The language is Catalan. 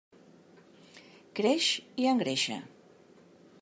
Creix i engreixa.